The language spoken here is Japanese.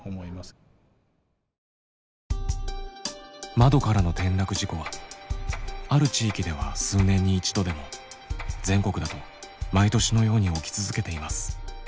窓からの転落事故はある地域では数年に一度でも全国だと毎年のように起き続けています。